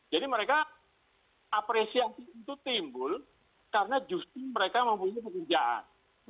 jadi mereka apresiasi itu timbul karena justru mereka memiliki pekerjaan